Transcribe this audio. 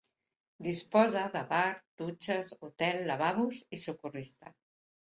Disposa de bar, dutxes, hotel, lavabos i socorrista.